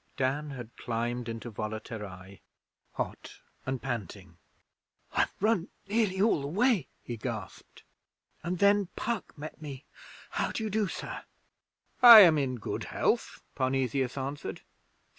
Dan had climbed into Volaterrae, hot and panting. 'I've run nearly all the way,' he gasped, 'and then Puck met me. How do you do, Sir?' 'I am in good health,' Parnesius answered.